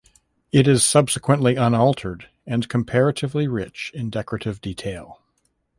It is substantially unaltered and comparatively rich in decorative detail.